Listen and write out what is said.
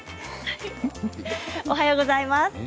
おはようございます。